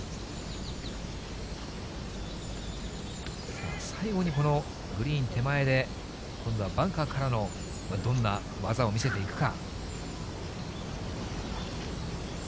さあ、最後にこのグリーン手前で、今度はバンカーからのどんな技を見せていくか。